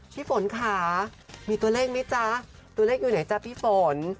พี่ฝนค่ะมีตัวเลขไหมจ๊ะตัวเลขอยู่ไหนจ๊ะพี่ฝน